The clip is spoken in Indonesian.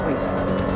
aku harus pergi